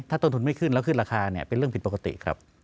ถ้าต้นทุนไม่ขึ้นแล้วขึ้นราคาเนี่ยเป็นเรื่องผิดปกติครับ